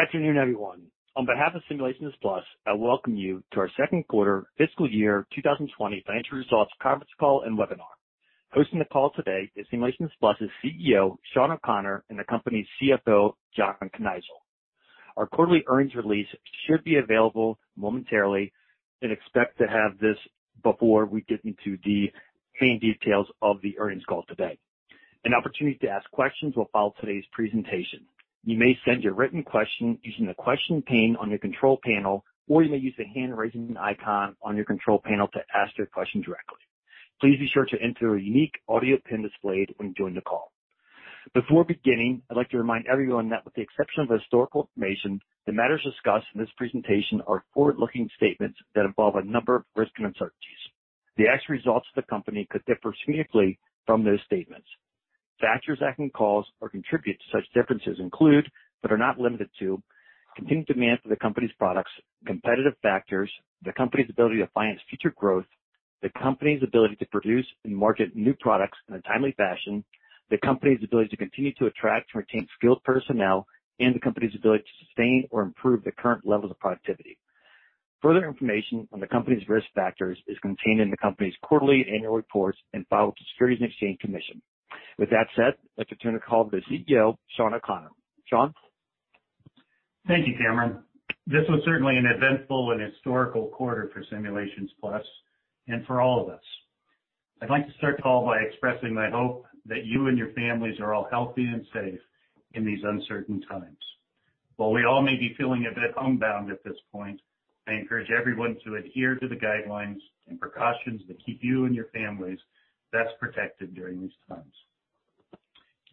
Good afternoon, everyone. On behalf of Simulations Plus, I welcome you to our Second Quarter Fiscal Year 2020 Financial Results Conference Call and Webinar. Hosting the call today is Simulations Plus' CEO, Shawn O'Connor, and the company's CFO, John Kneisel. Our quarterly earnings release should be available momentarily, and expect to have this before we get into the main details of the earnings call today. An opportunity to ask questions will follow today's presentation. You may send your written question using the question pane on your control panel, or you may use the hand-raising icon on your control panel to ask your question directly. Please be sure to enter the unique audio pin displayed when joining the call. Before beginning, I'd like to remind everyone that with the exception of historical information, the matters discussed in this presentation are forward-looking statements that involve a number of risks and uncertainties. The actual results of the company could differ significantly from those statements. Factors that can cause or contribute to such differences include, but are not limited to, continued demand for the company's products, competitive factors, the company's ability to finance future growth, the company's ability to produce and market new products in a timely fashion, the company's ability to continue to attract and retain skilled personnel, and the company's ability to sustain or improve the current levels of productivity. Further information on the company's risk factors is contained in the company's quarterly and annual reports and filed with the Securities and Exchange Commission. With that said, I'd like to turn the call over to CEO, Shawn O'Connor. Shawn? Thank you, Cameron. This was certainly an eventful and historical quarter for Simulations Plus and for all of us. I'd like to start the call by expressing my hope that you and your families are all healthy and safe in these uncertain times. While we all may be feeling a bit homebound at this point, I encourage everyone to adhere to the guidelines and precautions that keep you and your families best protected during these times.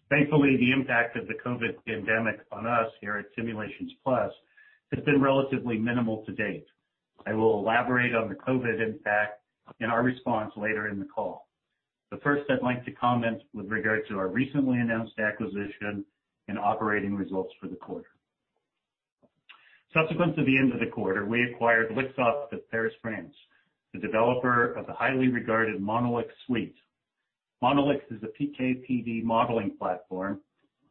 Thankfully, the impact of the COVID pandemic on us here at Simulations Plus has been relatively minimal to date. I will elaborate on the COVID impact and our response later in the call. First, I'd like to comment with regard to our recently announced acquisition and operating results for the quarter. Subsequent to the end of the quarter, we acquired Lixoft of Paris, France, the developer of the highly regarded Monolix suite. Monolix is a PKPD modeling platform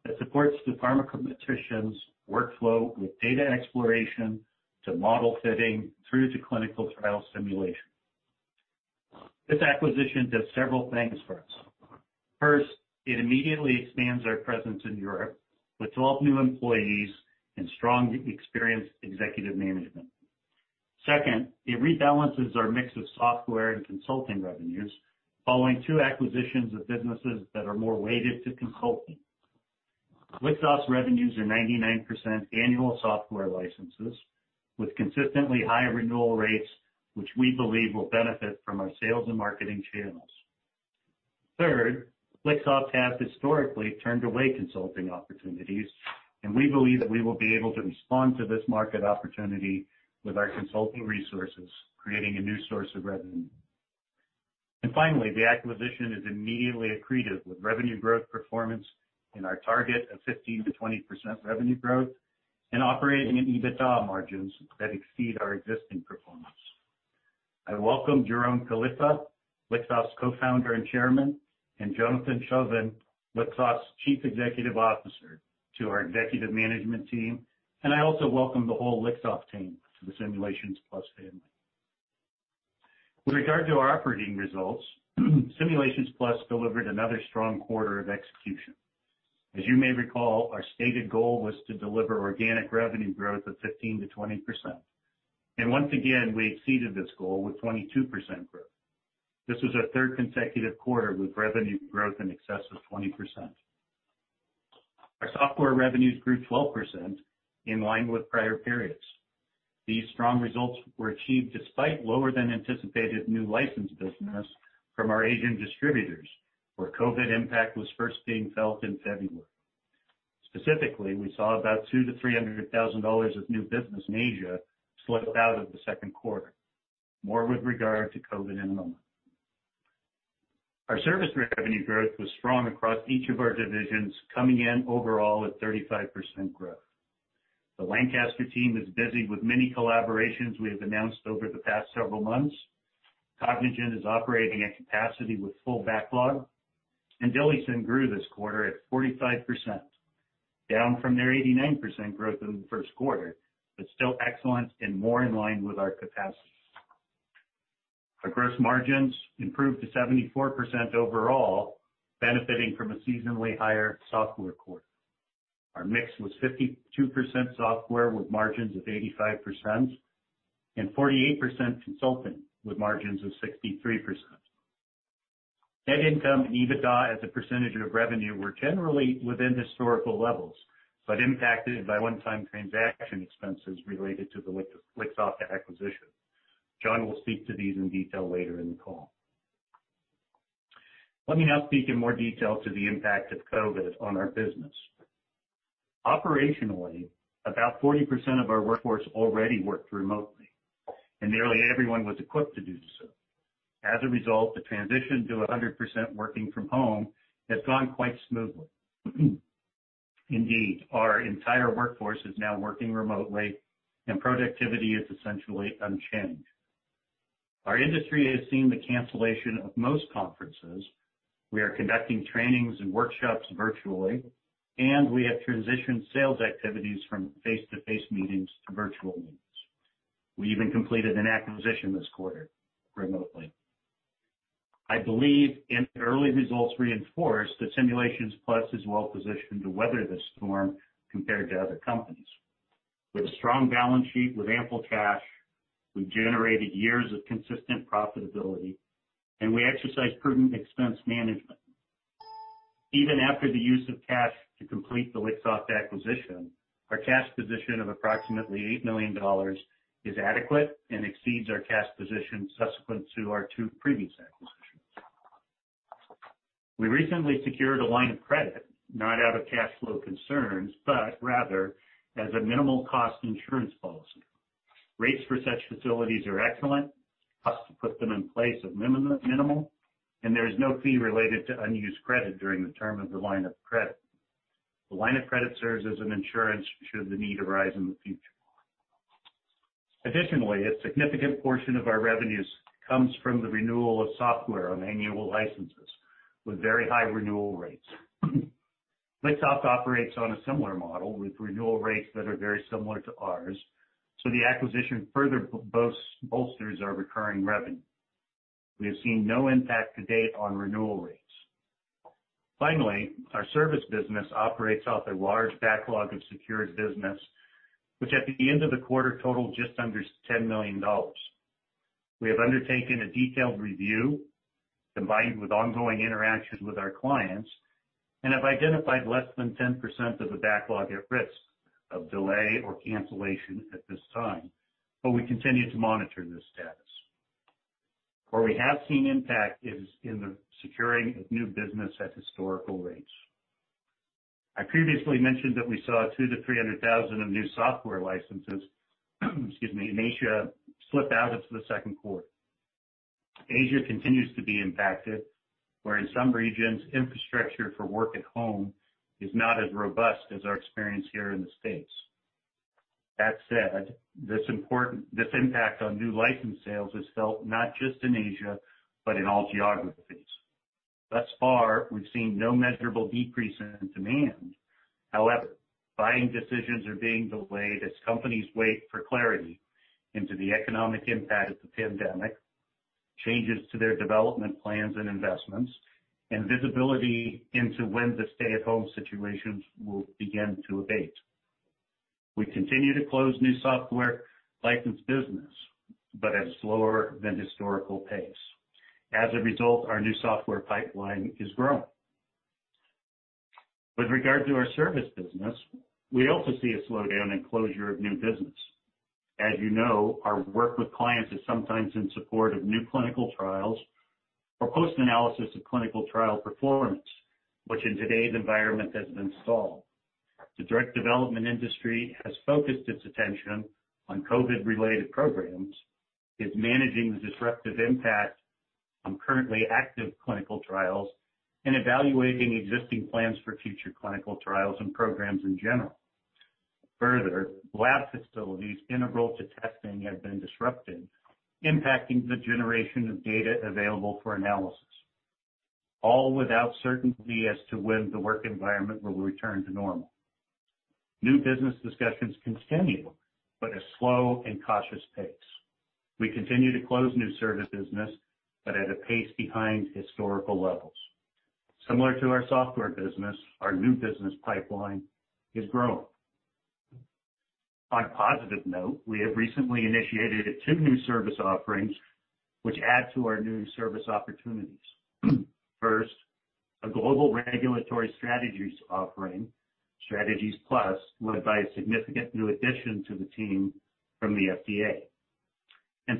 that supports the pharmacometrician's workflow with data exploration to model fitting through to clinical trial simulation. This acquisition does several things for us. First, it immediately expands our presence in Europe with 12 new employees and strong, experienced executive management. Second, it rebalances our mix of software and consulting revenues following two acquisitions of businesses that are more weighted to consulting. Lixoft's revenues are 99% annual software licenses with consistently high renewal rates, which we believe will benefit from our sales and marketing channels. Third, Lixoft has historically turned away consulting opportunities, and we believe that we will be able to respond to this market opportunity with our consulting resources, creating a new source of revenue. Finally, the acquisition is immediately accretive with revenue growth performance in our target of 15%-20% revenue growth and operating and EBITDA margins that exceed our existing performance. I welcome Jérôme Kalifa, Lixoft's Co-founder and Chairman, and Jonathan Chauvin, Lixoft's Chief Executive Officer, to our executive management team, and I also welcome the whole Lixoft team to the Simulations Plus family. With regard to our operating results, Simulations Plus delivered another strong quarter of execution. As you may recall, our stated goal was to deliver organic revenue growth of 15%-20%. Once again, we exceeded this goal with 22% growth. This was our third consecutive quarter with revenue growth in excess of 20%. Our software revenues grew 12%, in line with prior periods. These strong results were achieved despite lower than anticipated new license business from our Asian distributors, where COVID impact was first being felt in February. Specifically, we saw about $200,000-$300,000 of new business in Asia slip out of the second quarter. More with regard to COVID in a moment. Our service revenue growth was strong across each of our divisions, coming in overall at 35% growth. The Lancaster team is busy with many collaborations we have announced over the past several months. Cognigen is operating at capacity with full backlog. DILIsym grew this quarter at 45%, down from their 89% growth in the first quarter, but still excellent and more in line with our capacity. Our gross margins improved to 74% overall, benefiting from a seasonally higher software quarter. Our mix was 52% software with margins of 85% and 48% consulting with margins of 63%. Net income and EBITDA as a percentage of revenue were generally within historical levels, but impacted by one-time transaction expenses related to the Lixoft acquisition. John will speak to these in detail later in the call. Let me now speak in more detail to the impact of COVID-19 on our business. Operationally, about 40% of our workforce already worked remotely, and nearly everyone was equipped to do so. As a result, the transition to 100% working from home has gone quite smoothly. Indeed, our entire workforce is now working remotely and productivity is essentially unchanged. Our industry has seen the cancellation of most conferences. We are conducting trainings and workshops virtually, and we have transitioned sales activities from face-to-face meetings to virtual meetings. We even completed an acquisition this quarter remotely. I believe, and the early results reinforce, that Simulations Plus is well positioned to weather this storm compared to other companies. With a strong balance sheet with ample cash, we've generated years of consistent profitability, and we exercise prudent expense management. Even after the use of cash to complete the Lixoft acquisition, our cash position of approximately $8 million is adequate and exceeds our cash position subsequent to our two previous acquisitions. We recently secured a line of credit, not out of cash flow concerns, but rather as a minimal cost insurance policy. Rates for such facilities are excellent, costs to put them in place are minimal, and there is no fee related to unused credit during the term of the line of credit. The line of credit serves as an insurance should the need arise in the future. Additionally, a significant portion of our revenues comes from the renewal of software on annual licenses with very high renewal rates. Lixoft operates on a similar model with renewal rates that are very similar to ours, so the acquisition further bolsters our recurring revenue. We have seen no impact to date on renewal rates. Finally, our service business operates off a large backlog of secured business, which at the end of the quarter totaled just under $10 million. We have undertaken a detailed review combined with ongoing interactions with our clients and have identified less than 10% of the backlog at risk of delay or cancellation at this time, but we continue to monitor this status. Where we have seen impact is in the securing of new business at historical rates. I previously mentioned that we saw 200,000-300,000 of new software licenses in Asia slip out into the second quarter. Asia continues to be impacted, where in some regions, infrastructure for work at home is not as robust as our experience here in the U.S.. This impact on new license sales is felt not just in Asia, but in all geographies. We've seen no measurable decrease in demand. Buying decisions are being delayed as companies wait for clarity into the economic impact of the pandemic, changes to their development plans and investments, and visibility into when the stay-at-home situations will begin to abate. We continue to close new software license business, but at a slower than historical pace. Our new software pipeline is growing. With regard to our service business, we also see a slowdown in closure of new business. As you know, our work with clients is sometimes in support of new clinical trials or post-analysis of clinical trial performance, which in today's environment has been stalled. The direct development industry has focused its attention on COVID-related programs, is managing the disruptive impact on currently active clinical trials, and evaluating existing plans for future clinical trials and programs in general. Further, lab facilities integral to testing have been disrupted, impacting the generation of data available for analysis, all without certainty as to when the work environment will return to normal. New business discussions continue, but at a slow and cautious pace. We continue to close new service business, but at a pace behind historical levels. Similar to our software business, our new business pipeline is growing. On a positive note, we have recently initiated two new service offerings which add to our new service opportunities. First, a global regulatory strategies offering, StrategiesPlus, led by a significant new addition to the team from the FDA.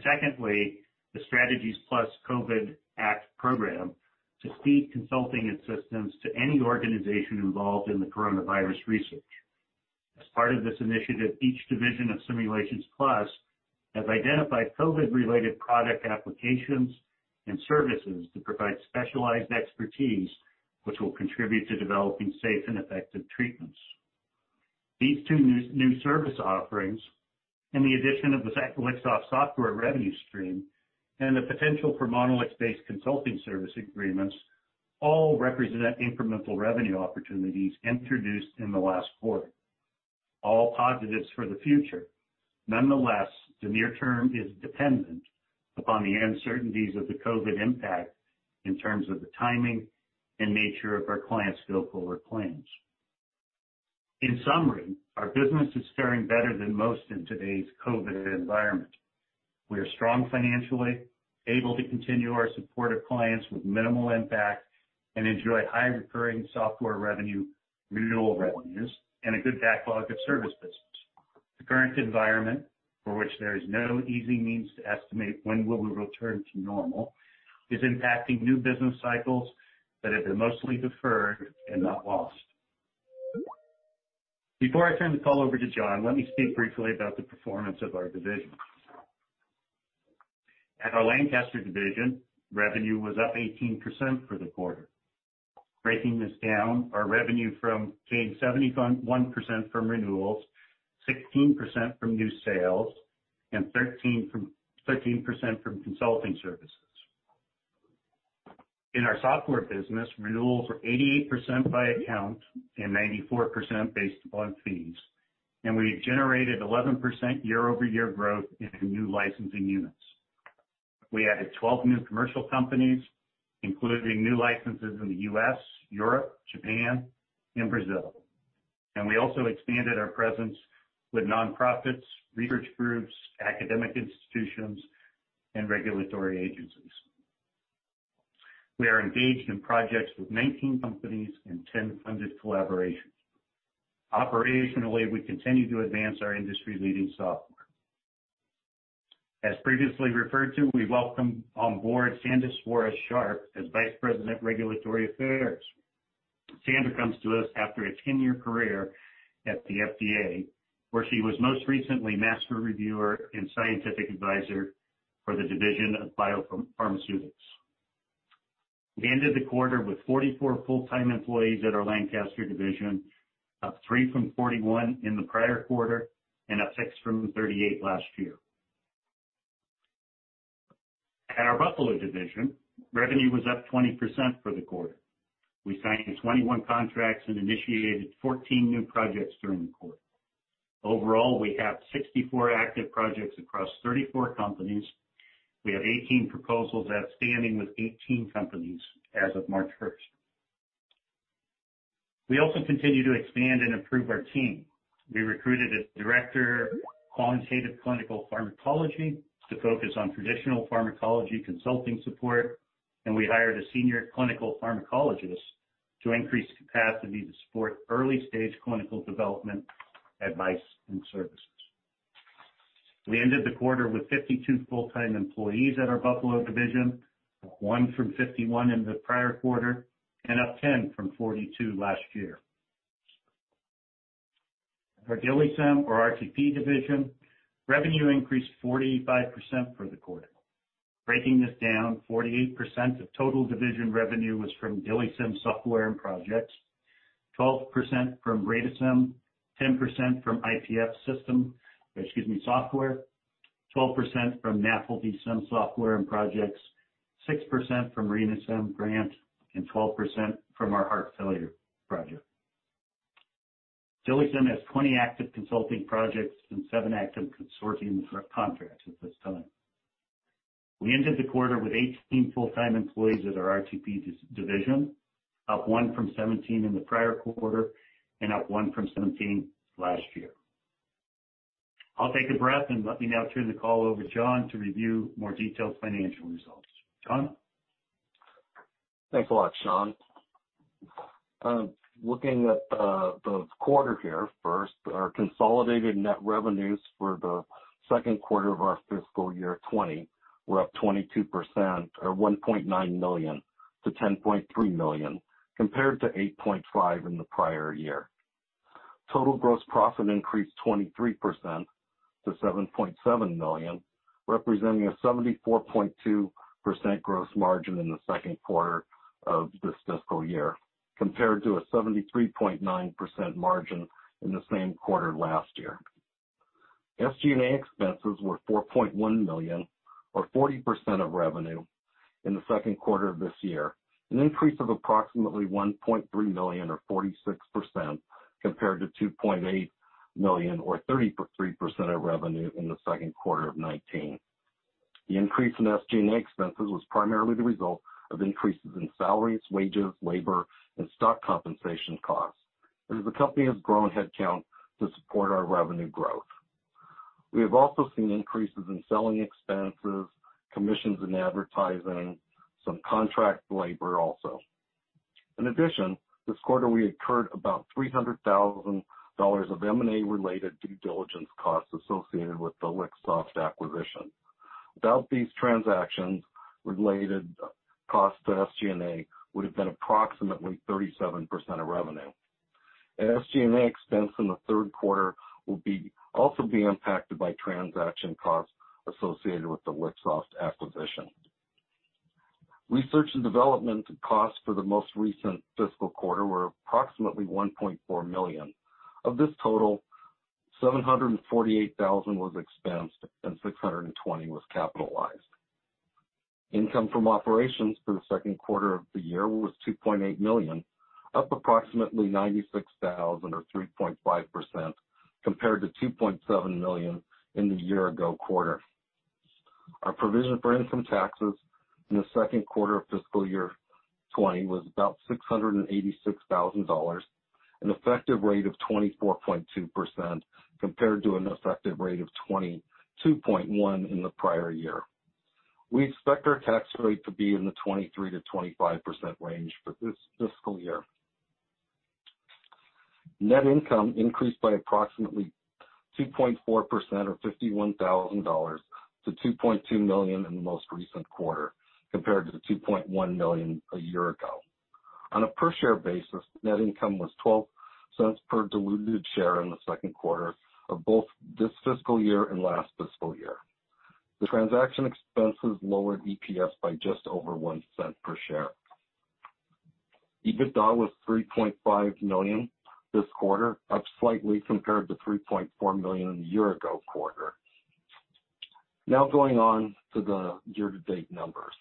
Secondly, the StrategiesPlus COVID-19 ACT Program to speed consulting assistance to any organization involved in the coronavirus research. As part of this initiative, each division of Simulations Plus has identified COVID-related product applications and services to provide specialized expertise which will contribute to developing safe and effective treatments. These two new service offerings and the addition of the Lixoft software revenue stream and the potential for Monolix-based consulting service agreements all represent incremental revenue opportunities introduced in the last quarter. All positives for the future. Nonetheless, the near term is dependent upon the uncertainties of the COVID impact in terms of the timing and nature of our clients' go-forward plans. In summary, our business is faring better than most in today's COVID environment. We are strong financially, able to continue our support of clients with minimal impact, and enjoy high recurring software revenue renewal revenues and a good backlog of service business. The current environment, for which there is no easy means to estimate when will we return to normal, is impacting new business cycles that have been mostly deferred and not lost. Before I turn the call over to John, let me speak briefly about the performance of our divisions. At our Lancaster division, revenue was up 18% for the quarter. Breaking this down, our revenue came 71% from renewals, 16% from new sales, and 13% from consulting services. In our software business, renewals were 88% by account and 94% based upon fees, and we generated 11% year-over-year growth in new licensing units. We added 12 new commercial companies, including new licenses in the U.S., Europe, Japan, and Brazil. We also expanded our presence with nonprofits, research groups, academic institutions, and regulatory agencies. We are engaged in projects with 19 companies and 10 funded collaborations. Operationally, we continue to advance our industry-leading software. As previously referred to, we welcome on board Sandra Suarez-Sharp as Vice President, Regulatory Affairs. Sandra comes to us after a 10-year career at the FDA, where she was most recently Master Reviewer and Scientific Advisor for the Division of Biopharmaceutics. We ended the quarter with 44 full-time employees at our Lancaster Division, up three from 41 in the prior quarter, and up six from 38 last year. At our Buffalo Division, revenue was up 20% for the quarter. We signed 21 contracts and initiated 14 new projects during the quarter. Overall, we have 64 active projects across 34 companies. We have 18 proposals outstanding with 18 companies as of March 1st. We also continue to expand and improve our team. We recruited a Director of Quantitative Clinical Pharmacology to focus on traditional pharmacology consulting support, and we hired a Senior Clinical Pharmacologist to increase capacity to support early-stage clinical development advice and services. We ended the quarter with 52 full-time employees at our Buffalo division, up one from 51 in the prior quarter, and up 10 from 42 last year. Our DILIsym or RTP division revenue increased 45% for the quarter. Breaking this down, 48% of total division revenue was from DILIsym software and projects, 12% from RENAsym, 10% from IPFsym, excuse me, software, 12% from MapleSim software and projects, 6% from RENAsym grant, and 12% from our heart failure project. DILIsym has 20 active consulting projects and seven active consortium contracts at this time. We ended the quarter with 18 full-time employees at our RTP division, up one from 17 in the prior quarter, and up one from 17 last year. I'll take a breath and let me now turn the call over to John to review more detailed financial results. John? Thanks a lot, Shawn. Looking at the quarter here, first, our consolidated net revenues for the second quarter of our fiscal year 2020 were up 22% or $1.9 million to $10.3 million compared to $8.5 million in the prior year. Total gross profit increased 23% to $7.7 million, representing a 74.2% gross margin in the second quarter of this fiscal year compared to a 73.9% margin in the same quarter last year. SG&A expenses were $4.1 million or 40% of revenue in the second quarter of this year, an increase of approximately $1.3 million or 46% compared to $2.8 million or 33% of revenue in the second quarter of 2019. The increase in SG&A expenses was primarily the result of increases in salaries, wages, labor, and stock compensation costs, as the company has grown headcount to support our revenue growth. We have also seen increases in selling expenses, commissions and advertising, some contract labor also. In addition, this quarter we incurred about $300,000 of M&A related due diligence costs associated with the Lixoft acquisition. Without these transactions, related cost to SG&A would have been approximately 37% of revenue. SG&A expense in the third quarter will also be impacted by transaction costs associated with the Lixoft acquisition. Research and development costs for the most recent fiscal quarter were approximately $1.4 million. Of this total, $748,000 was expensed and $620,000 was capitalized. Income from operations for the second quarter of the year was $2.8 million, up approximately $96,000 or 3.5% compared to $2.7 million in the year-ago quarter. Our provision for income taxes in the second quarter of fiscal year 2020 was about $686,000, an effective rate of 24.2% compared to an effective rate of 22.1% in the prior year. We expect our tax rate to be in the 23%-25% range for this fiscal year. Net income increased by approximately 2.4% or $51,000 to $2.2 million in the most recent quarter, compared to the $2.1 million a year ago. On a per share basis, net income was $0.12 per diluted share in the second quarter of both this fiscal year and last fiscal year. The transaction expenses lowered EPS by just over $0.01 per share. EBITDA was $3.5 million this quarter, up slightly compared to $3.4 million in the year-ago quarter. Now going on to the year-to-date numbers.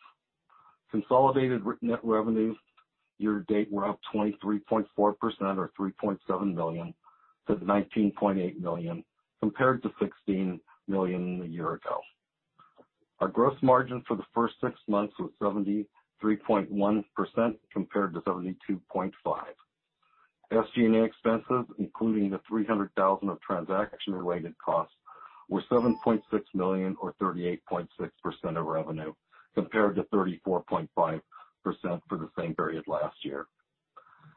Consolidated net revenues year-to-date were up 23.4%, or $3.7 million, to $19.8 million, compared to $16 million a year ago. Our gross margin for the first six months was 73.1% compared to 72.5%. SG&A expenses, including the $300,000 of transaction-related costs, were $7.6 million or 38.6% of revenue, compared to 34.5% for the same period last year.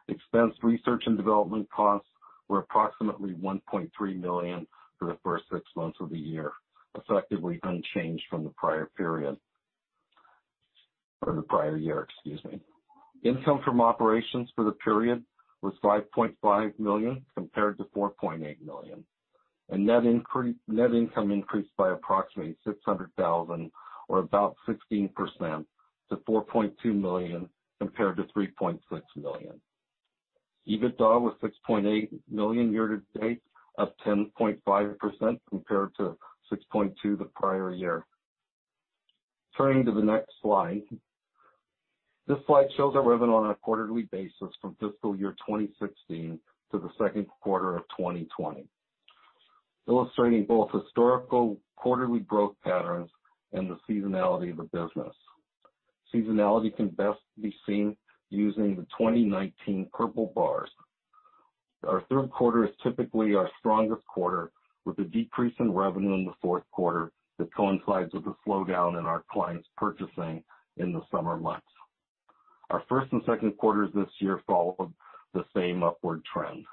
Expense research and development costs were approximately $1.3 million for the first six months of the year, effectively unchanged from the prior period. Or the prior year, excuse me. Income from operations for the period was $5.5 million compared to $4.8 million. Net income increased by approximately $600,000, or about 16%, to $4.2 million, compared to $3.6 million. EBITDA was $6.8 million year-to-date, up 10.5% compared to $6.2 million the prior year. Turning to the next slide. This slide shows our revenue on a quarterly basis from fiscal year 2016 to the second quarter of 2020, illustrating both historical quarterly growth patterns and the seasonality of the business. Seasonality can best be seen using the 2019 purple bars. Our third quarter is typically our strongest quarter, with a decrease in revenue in the fourth quarter that coincides with the slowdown in our clients purchasing in the summer months. Our first and second quarters this year follow the same upward trend.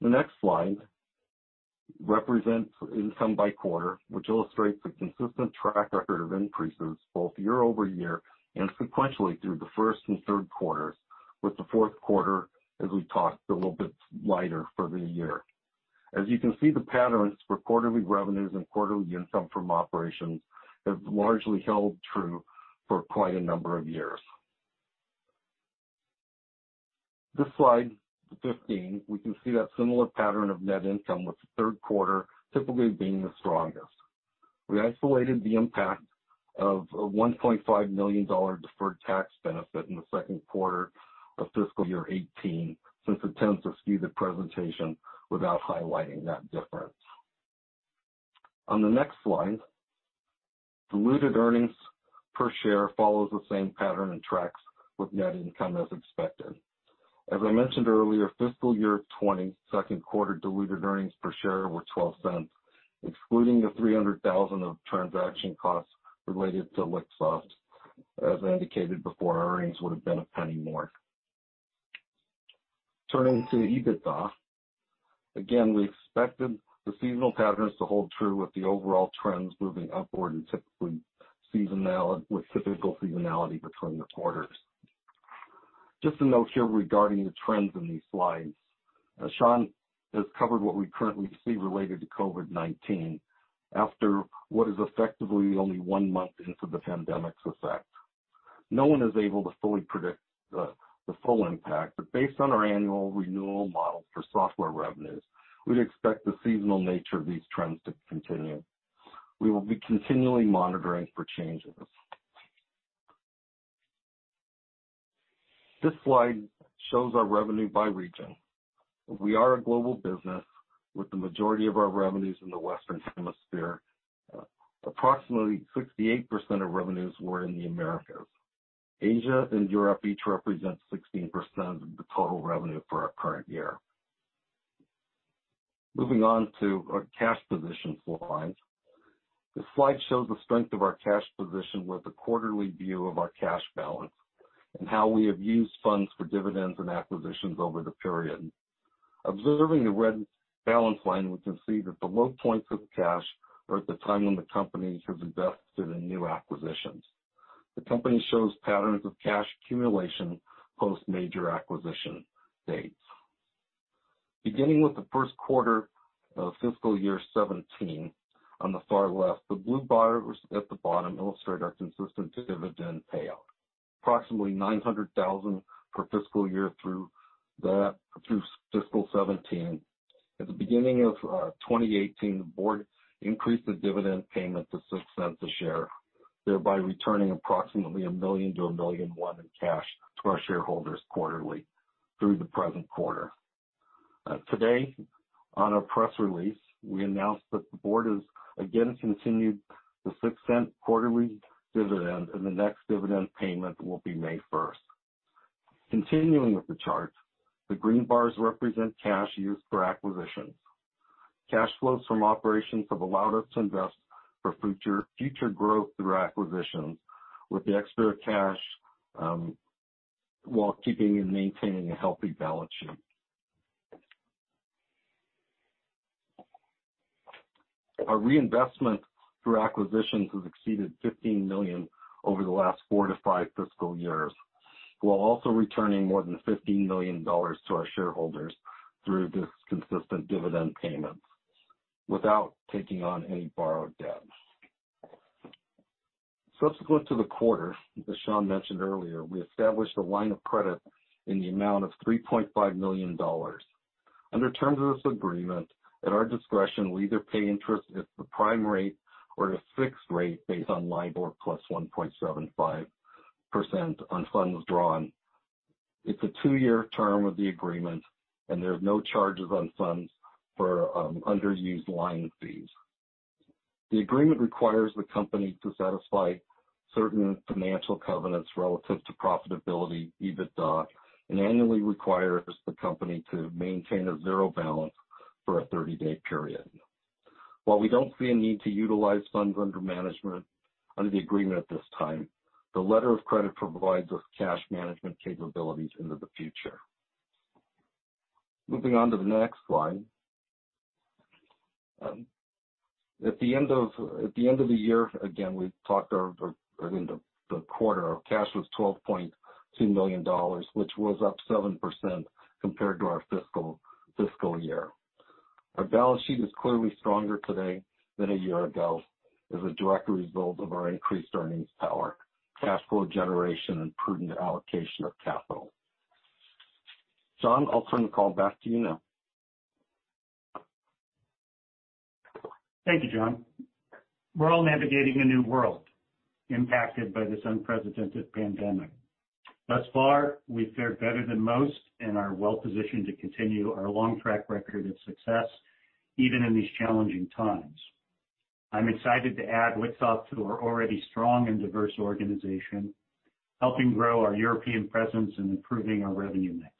The next slide represents income by quarter, which illustrates a consistent track record of increases both year-over-year and sequentially through the first and third quarters, with the fourth quarter, as we've talked, a little bit lighter for the year. As you can see, the patterns for quarterly revenues and quarterly income from operations have largely held true for quite a number of years. This slide, the 15, we can see that similar pattern of net income, with the third quarter typically being the strongest. We isolated the impact of a $1.5 million deferred tax benefit in the second quarter of fiscal year 2018, since it tends to skew the presentation without highlighting that difference. On the next slide, diluted earnings per share follows the same pattern and tracks with net income as expected. As I mentioned earlier, fiscal year 2020 second quarter diluted earnings per share were $0.12, excluding the $300,000 of transaction costs related to Lixoft. As I indicated before, earnings would have been $0.01 more. Turning to EBITDA. Again, we expected the seasonal patterns to hold true with the overall trends moving upward with typical seasonality between the quarters. Just a note here regarding the trends in these slides. Shawn has covered what we currently see related to COVID-19 after what is effectively only one month into the pandemic's effect. No one is able to fully predict the full impact. Based on our annual renewal models for software revenues, we'd expect the seasonal nature of these trends to continue. We will be continually monitoring for changes. This slide shows our revenue by region. We are a global business with the majority of our revenues in the Western Hemisphere. Approximately 68% of revenues were in the Americas. Asia and Europe each represent 16% of the total revenue for our current year. Moving on to our cash position slide. This slide shows the strength of our cash position with a quarterly view of our cash balance and how we have used funds for dividends and acquisitions over the period. Observing the red balance line, we can see that the low points of cash are at the time when the company has invested in new acquisitions. The company shows patterns of cash accumulation post major acquisition dates. Beginning with the first quarter of fiscal year 2017 on the far left, the blue bars at the bottom illustrate our consistent dividend payout. Approximately $900,000 per fiscal year through fiscal 2017. At the beginning of 2018, the board increased the dividend payment to $0.06 a share, thereby returning approximately $1 million-$1.1 million in cash to our shareholders quarterly through the present quarter. Today, on our press release, we announced that the board has again continued the $0.06 quarterly dividend, and the next dividend payment will be May 1st. Continuing with the chart, the green bars represent cash used for acquisitions. Cash flows from operations have allowed us to invest for future growth through acquisitions with the extra cash, while keeping and maintaining a healthy balance sheet. Our reinvestment through acquisitions has exceeded $15 million over the last four to five fiscal years. While also returning more than $15 million to our shareholders through these consistent dividend payments without taking on any borrowed debt. Subsequent to the quarter, as Shawn mentioned earlier, we established a line of credit in the amount of $3.5 million. Under terms of this agreement, at our discretion, we'll either pay interest at the prime rate or at a fixed rate based on LIBOR plus 1.75% on funds drawn. It's a two-year term of the agreement, and there's no charges on funds for underused line fees. The agreement requires the company to satisfy certain financial covenants relative to profitability, EBITDA, and annually requires the company to maintain a zero balance for a 30-day period. While we don't see a need to utilize funds under management under the agreement at this time, the letter of credit provides us cash management capabilities into the future. Moving on to the next slide. At the end of the year, again, we've talked, I mean, the quarter, our cash was $12.2 million, which was up 7% compared to our fiscal year. Our balance sheet is clearly stronger today than a year ago, as a direct result of our increased earnings power, cash flow generation, and prudent allocation of capital. Shawn, I'll turn the call back to you now. Thank you, John. We're all navigating a new world impacted by this unprecedented pandemic. Thus far, we've fared better than most and are well-positioned to continue our long track record of success, even in these challenging times. I'm excited to add Lixoft to our already strong and diverse organization, helping grow our European presence and improving our revenue mix.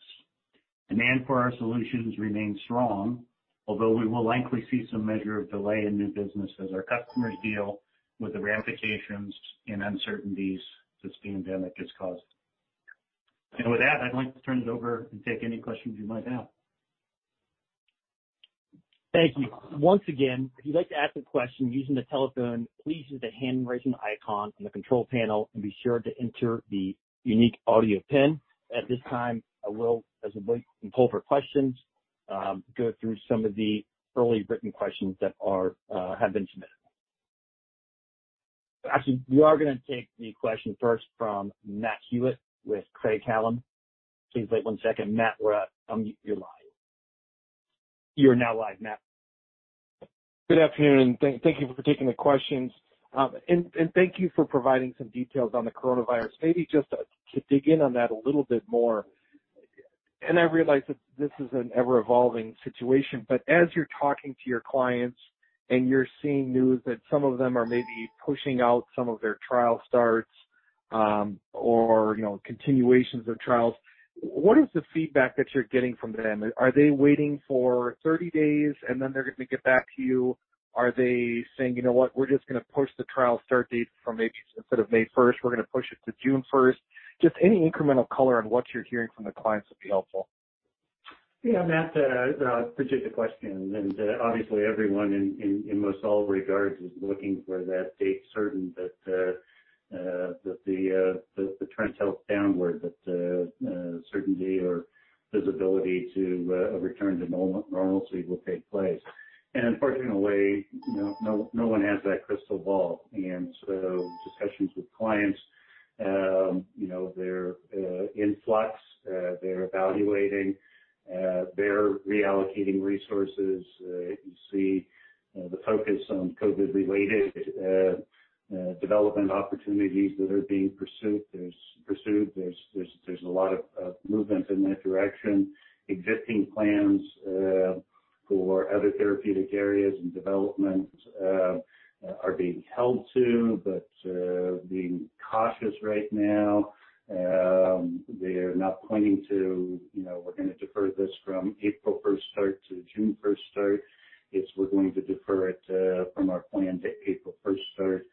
Demand for our solutions remains strong, although we will likely see some measure of delay in new business as our customers deal with the ramifications and uncertainties this pandemic has caused. With that, I'd like to turn it over and take any questions you might have. Thank you. Once again, if you'd like to ask a question using the telephone, please use the hand-raising icon on the control panel and be sure to enter the unique audio PIN. At this time, I will, as we wait and poll for questions, go through some of the early written questions that have been submitted. Actually, we are going to take the question first from Matthew Hewitt with Craig-Hallum Capital Group. Please wait one second. Matthew, unmute your line. You are now live, Matthew. Good afternoon. Thank you for taking the questions. Thank you for providing some details on the coronavirus. Maybe just to dig in on that a little bit more, and I realize that this is an ever-evolving situation, but as you're talking to your clients and you're seeing news that some of them are maybe pushing out some of their trial starts, or continuations of trials, what is the feedback that you're getting from them? Are they waiting for 30 days, and then they're going to get back to you? Are they saying, "You know what? We're just going to push the trial start date from maybe instead of May 1st, we're going to push it to June 1st." Just any incremental color on what you're hearing from the clients would be helpful. Yeah, Matthew, appreciate the question. Obviously, everyone in most all regards is looking for that date certain that the trend tilts downward, that certainty or visibility to a return to normalcy will take place. Unfortunately, no one has that crystal ball. Discussions with clients, they're in flux. They're evaluating. They're reallocating resources. You see the focus on COVID-related development opportunities that are being pursued. There's a lot of movement in that direction. Existing plans for other therapeutic areas and developments are being held to, but being cautious right now. They're not pointing to, we're going to defer this from April 1st start to June 1st start. It's, we're going to defer it from our plan to April 1st start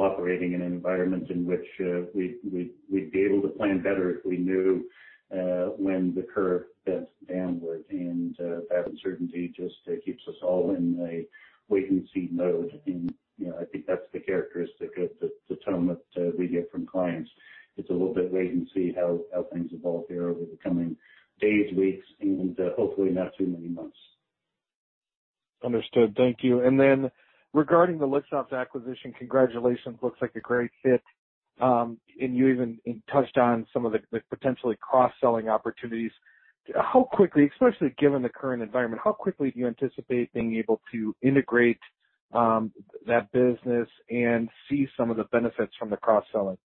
without a date identified going forward. I think we're all operating in an environment in which we'd be able to plan better if we knew when the curve bends downward. That uncertainty just keeps us all in a wait-and-see mode. I think that's the characteristic of the tone that we get from clients. It's a little bit wait and see how things evolve here over the coming days, weeks, and hopefully not too many months. Understood. Thank you. Regarding the Lixoft acquisition, congratulations. Looks like a great fit. You even touched on some of the potentially cross-selling opportunities. How quickly, especially given the current environment, how quickly do you anticipate being able to integrate that business and see some of the benefits from the cross-selling?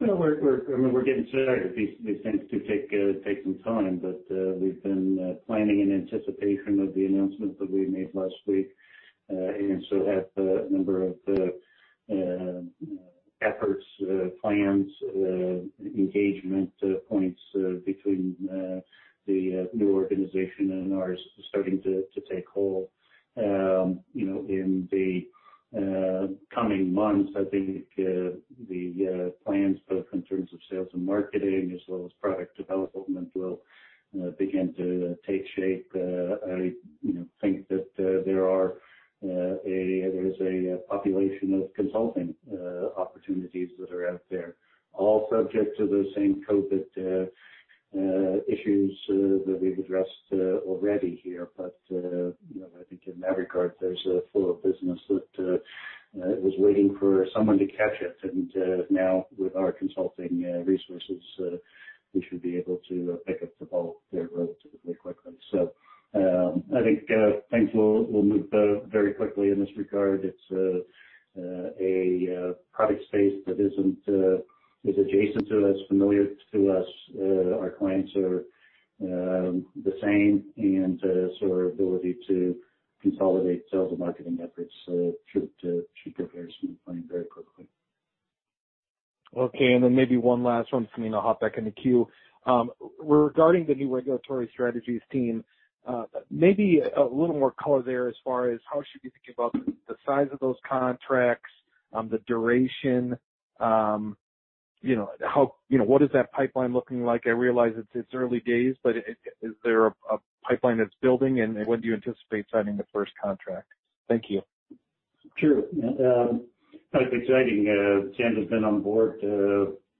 We're getting started. These things do take some time. We've been planning in anticipation of the announcement that we made last week, have a number of efforts, plans, engagement points between the new organization and ours starting to take hold. In the coming months, I think the plans both in terms of sales and marketing as well as product development will begin to take shape. I think that there's a population of consulting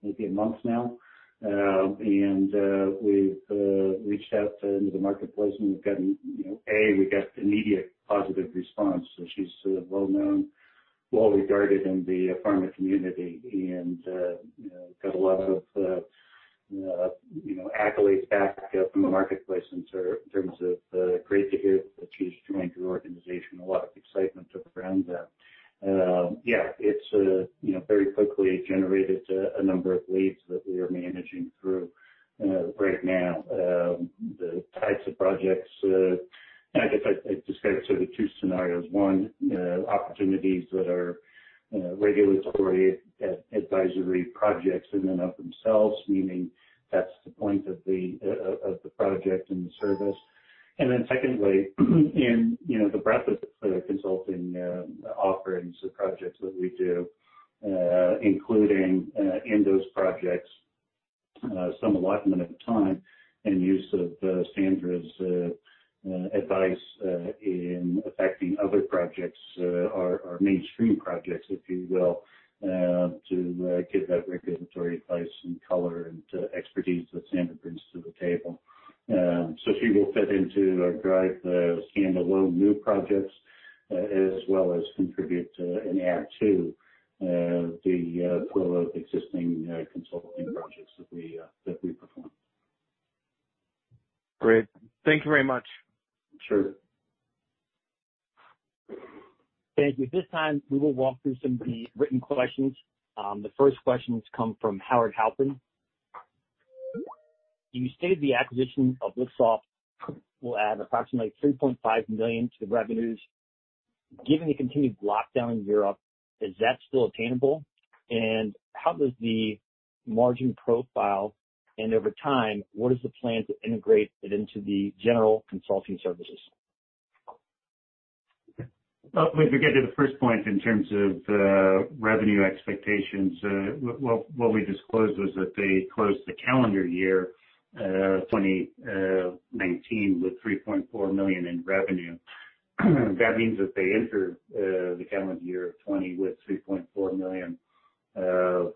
maybe a month now, and we've reached out into the marketplace, we got immediate positive response. She's well-known, well-regarded in the pharma community. Got a lot of accolades back from the marketplace in terms of, "Great to hear that she's joined your organization." A lot of excitement around that. Yeah, it's very quickly generated a number of leads that we are managing through right now. The types of projects, I guess I'd describe sort of two scenarios. One, opportunities that are regulatory advisory projects in and of themselves, meaning that's the point of the project and the service. Secondly, in the breadth of the consulting offerings, the projects that we do, including in those projects, some allotment of time and use of Sandra's advice in affecting other projects, our mainstream projects, if you will, to give that regulatory advice and color and expertise that Sandra brings to the table. She will fit in to drive the standalone new projects, as well as contribute to and add to the flow of existing consulting projects that we perform. Great. Thank you very much. Sure. Thank you. At this time, we will walk through some of the written questions. The first questions come from Howard Halpern. You stated the acquisition of Lixoft will add approximately $3.5 million to the revenues. Given the continued lockdown in Europe, is that still attainable? How does the margin profile, and over time, what is the plan to integrate it into the general consulting services? If we get to the first point in terms of revenue expectations, what we disclosed was that they closed the calendar year 2019 with $3.4 million in revenue. That means that they entered the calendar year 2020 with $3.4 million of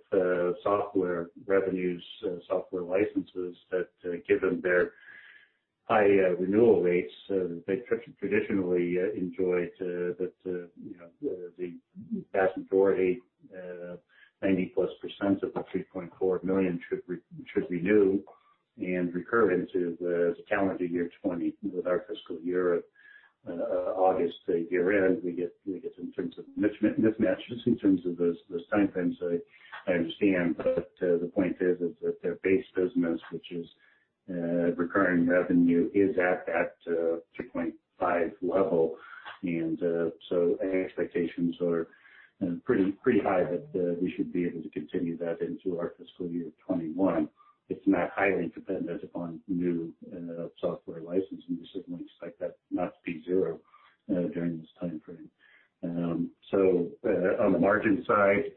software revenues, software licenses that, given their high renewal rates they traditionally enjoy, the vast majority, 90%+ of the $3.4 million should renew and recur into the calendar year 2020. With our fiscal year of August year-end, we get mismatches in terms of those timeframes, I understand. The point is that their base business, which is recurring revenue, is at that $3.5 level. Any expectations are pretty high that we should be able to continue that into our fiscal year 2021. It's not highly dependent upon new software licensing. We certainly expect that not to be zero during this time frame. On the margin side,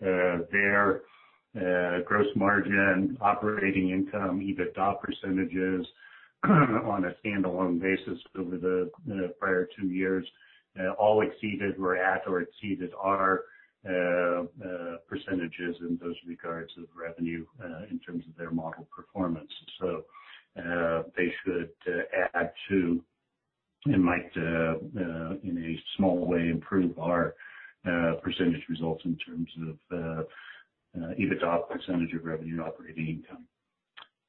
their gross margin, operating income, EBITDA percentages on a standalone basis over the prior two years all exceeded, were at or exceeded our percentages in those regards of revenue in terms of their model performance. They should add to and might, in a small way, improve our percent results in terms of EBITDA percentage of revenue and operating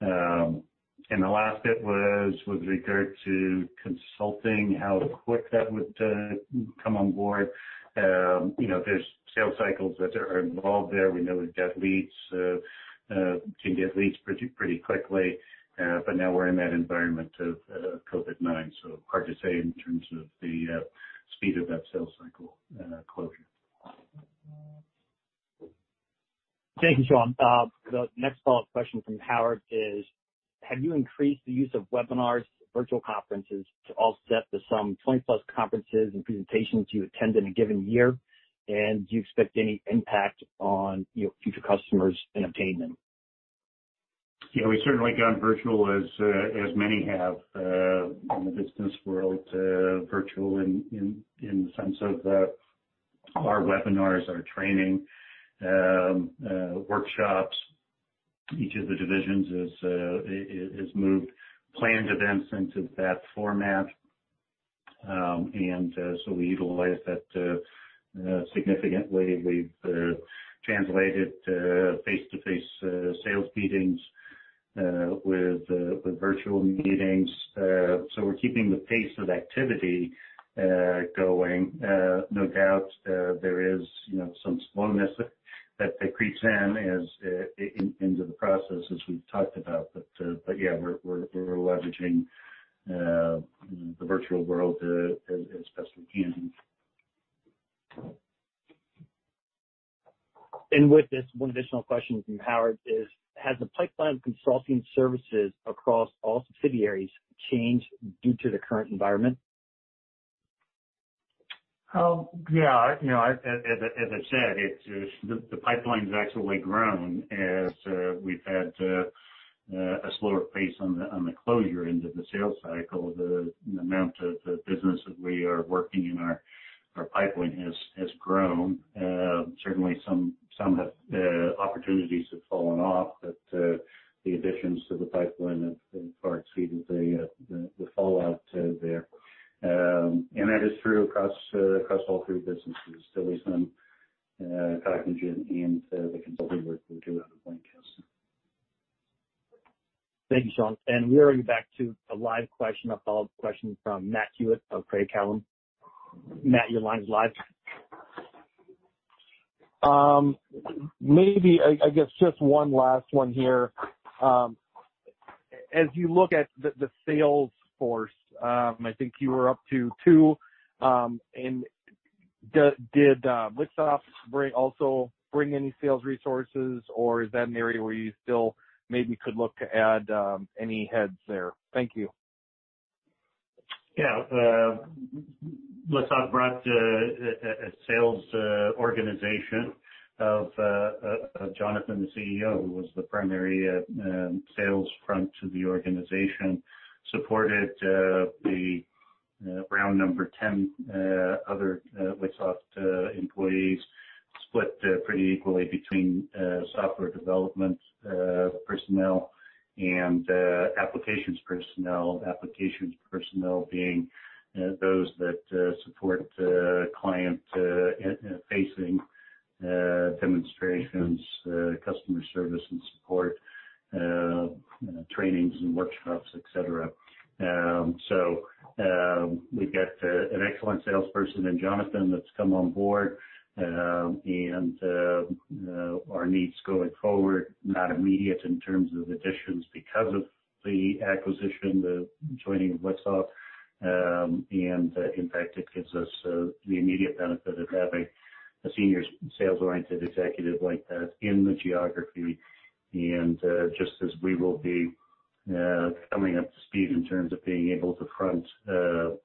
income. The last bit was with regard to consulting, how quick that would come on board. There's sales cycles that are involved there. We know we've got leads. Can get leads pretty quickly. Now we're in that environment of COVID-19, so hard to say in terms of the speed of that sales cycle closure. Thank you, Shawn. The next follow-up question from Howard is, have you increased the use of webinars, virtual conferences to offset the some 20+ conferences and presentations you attend in a given year? Do you expect any impact on future customers and obtaining them? Yeah, we certainly gone virtual as many have in the distance world. Virtual in the sense of our webinars, our training, workshops. Each of the divisions has moved planned events into that format. We utilize that significantly. We've translated face-to-face sales meetings with virtual meetings. We're keeping the pace of activity going. No doubt there is some slowness that creeps into the process, as we've talked about. Yeah, we're leveraging the virtual world as best we can. With this, one additional question from Howard is, has the pipeline consulting services across all subsidiaries changed due to the current environment? Yeah. As I said, the pipeline's actually grown as we've had a slower pace on the closure end of the sales cycle. The amount of business that we are working in our pipeline has grown. Certainly some opportunities have fallen off, but the additions to the pipeline have far exceeded the fallout there. And that is true across all three businesses, DILIsym, Cognigen, and the consulting work we do out of Lancaster. Thank you, Shawn. We are back to a live question, a follow-up question from Matthew Hewitt of Craig-Hallum Capital Group. Matthew, your line's live. Maybe, I guess just one last one here. As you look at the sales force, I think you were up to two. Did Lixoft also bring any sales resources, or is that an area where you still maybe could look to add any heads there? Thank you. Yeah. Lixoft brought a sales organization of Jonathan, the CEO, who was the primary sales front to the organization, supported the 10 other Lixoft employees, split pretty equally between software development personnel and applications personnel. Applications personnel being those that support client-facing demonstrations, customer service and support, trainings and workshops, et cetera. We've got an excellent salesperson in Jonathan that's come on board. Our needs going forward, not immediate in terms of additions because of the acquisition, the joining of Lixoft. In fact, it gives us the immediate benefit of having a senior sales-oriented executive like that in the geography. Just as we will be coming up to speed in terms of being able to front the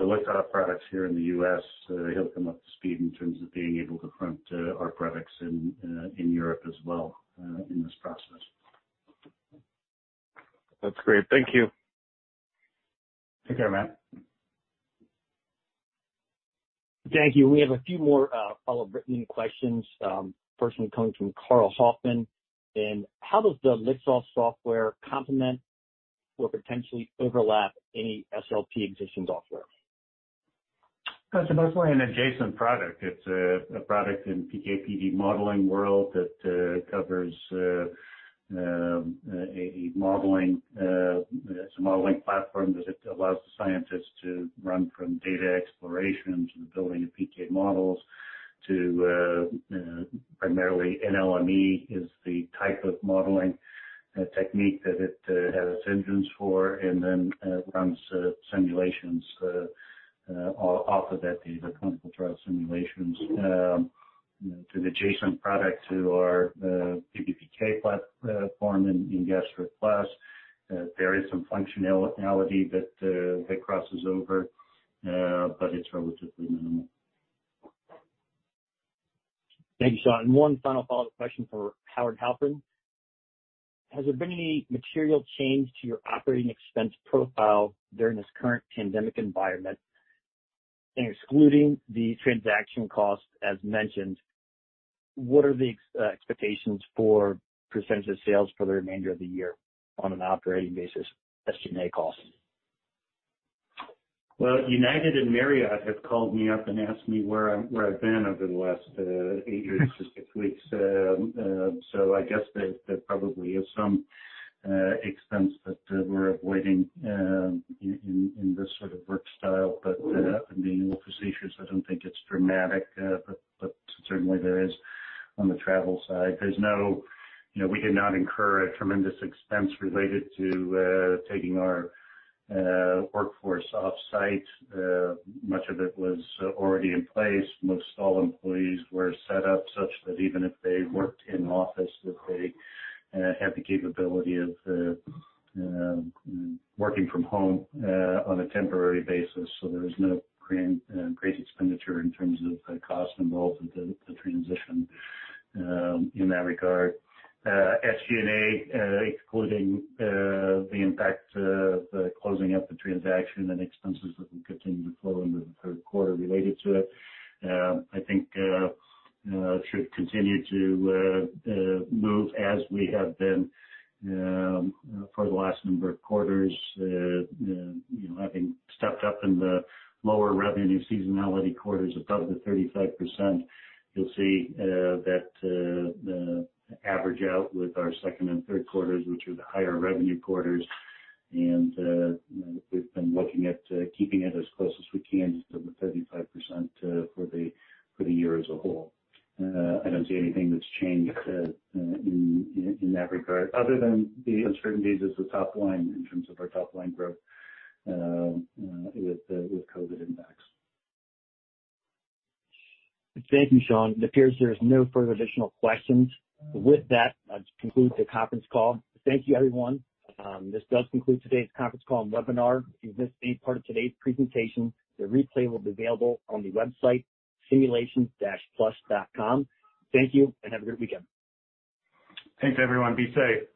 Lixoft products here in the U.S., he'll come up to speed in terms of being able to front our products in Europe as well in this process. That's great. Thank you. Take care, Matthew. Thank you. We have a few more follow-up written questions, first one coming from Carl Hoffman. How does the Lixoft software complement or potentially overlap any Simulations Plus existing software? It's mostly an adjacent product. It's a product in PKPD modeling world that covers a modeling platform that allows the scientists to run from data exploration to building of PK models to primarily NLME is the type of modeling technique that it has engines for and then runs simulations off of that data, clinical trial simulations. It's an adjacent product to our PBPK platform in GastroPlus. There is some functionality that crosses over, but it's relatively minimal. Thank you, Shawn. One final follow-up question from Howard Halpern. Has there been any material change to your operating expense profile during this current pandemic environment? Excluding the transaction cost as mentioned, what are the expectations for percentage of sales for the remainder of the year on an operating basis, SG&A costs? United and Marriott have called me up and asked me where I've been over the last eight years to six weeks. I guess there probably is some expense that we're avoiding in this sort of work style. Being facetious, I don't think it's dramatic, but certainly there is on the travel side. We did not incur a tremendous expense related to taking our workforce off-site. Much of it was already in place. Most all employees were set up such that even if they worked in office, that they had the capability of working from home on a temporary basis. There was no great expenditure in terms of cost involved with the transition in that regard. SG&A, excluding the impact of the closing up the transaction and expenses that will continue to flow into the third quarter related to it, I think should continue to move as we have been for the last number of quarters, having stepped up in the lower revenue seasonality quarters above the 35%. You'll see that average out with our second and third quarters, which are the higher revenue quarters. We've been looking at keeping it as close as we can to the 35% for the year as a whole. I don't see anything that's changed in that regard other than the uncertainties as the top line in terms of our top-line growth with COVID impacts. Thank you, Shawn. It appears there's no further additional questions. With that, let's conclude the conference call. Thank you, everyone. This does conclude today's conference call and webinar. If you missed any part of today's presentation, the replay will be available on the website simulations-plus.com. Thank you, and have a great weekend. Thanks, everyone. Be safe.